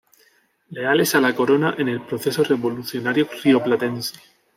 Leales a la corona en el proceso revolucionario rioplatense.